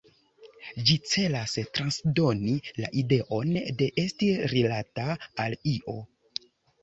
Ĝi celas transdoni la ideon de esti rilata al io.